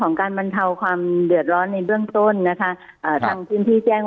ของการบรรเทาความเดือดร้อนในกล้องต้นนะคะทางกินที่จัง